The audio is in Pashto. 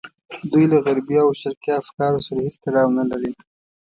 دوی له غربي او شرقي افکارو سره هېڅ تړاو نه لري.